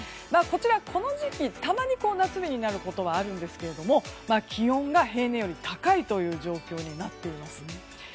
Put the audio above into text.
こちら、この時期たまに夏日になることはあるんですが気温が平年より高いという状況になっています。